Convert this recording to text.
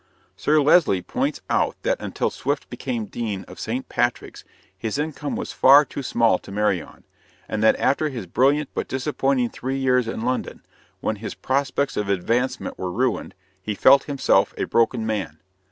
Sir Leslie points out that until Swift became dean of St. Patrick's his income was far too small to marry on, and that after his brilliant but disappointing three years in London, when his prospects of advancement were ruined, he felt himself a broken man.